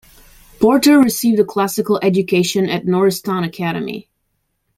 Porter received a classical education at Norristown Academy.